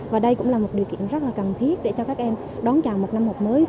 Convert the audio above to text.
và đây cũng là một điều kiện rất là cần thiết để cho các em đón chào một năm học mới